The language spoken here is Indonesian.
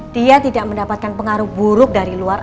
dia tidak mendapatkan pengaruh buruk dari luar